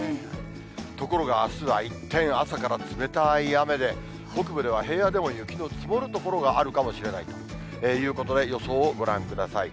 ところがあすは一転、朝から冷たい雨で、北部では平野でも雪の積もる所があるかもしれないということで、予想をご覧ください。